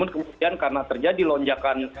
kemudian karena terjadi lonjakan